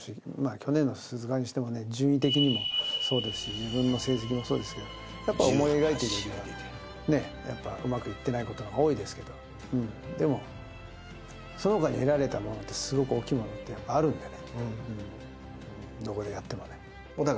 去年の鈴鹿にしても順位的にもそうですし、自分の成績もそうですけど思い描いているよりうまくいっていないことの方が多いですけど、そのほかに得られたものってすごく大きいものってあるんでね。